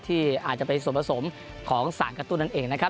ที่อาจจะเป็นส่วนผสมของสารกระตุ้นนั่นเองนะครับ